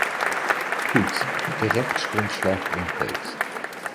Goed, de rechtsgrondslag ontbreekt.